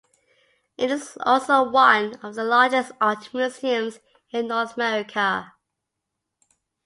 It is also one of the largest art museums in North America.